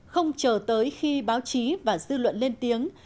không chờ tới khi báo chí và dư luận lên tiếng